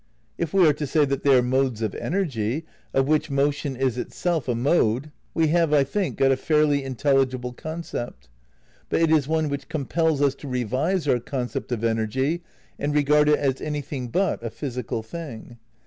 If we are to say that they are modes of energy, of which motion is itself a mode, we have, I think, got a fairly intelligible concept; but it is one which compels us to revise our concept of energy and regard it as anything but a phys ical thing.